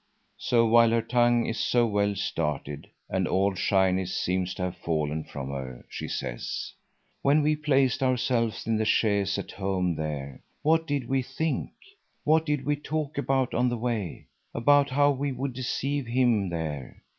So while her tongue is so well started and all shyness seems to have fallen from her, she says:— "When we placed ourselves in the chaise at home there, what did we think? What did we talk about on the way? About how we would deceive him there.